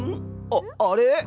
あっあれ？